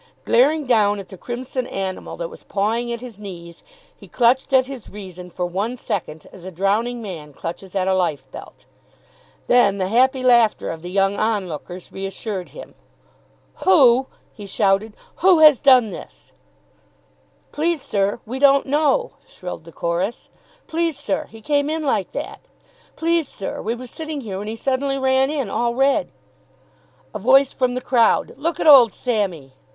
Glaring down at the crimson animal that was pawing at his knees, he clutched at his reason for one second as a drowning man clutches at a lifebelt. Then the happy laughter of the young onlookers reassured him. "Who " he shouted, "WHO has done this?" [Illustration: "WHO " HE SHOUTED, "WHO HAS DONE THIS?"] "Please, sir, we don't know," shrilled the chorus. "Please, sir, he came in like that." "Please, sir, we were sitting here when he suddenly ran in, all red." A voice from the crowd: "Look at old Sammy!"